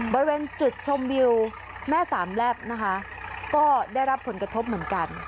บริเวณจุดชมวิวแม่สามแลบนะคะก็ได้รับผลกระทบเหมือนกัน